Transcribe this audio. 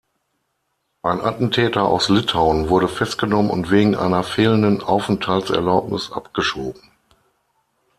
Ein Attentäter aus Litauen wurde festgenommen und wegen einer fehlenden Aufenthaltserlaubnis abgeschoben.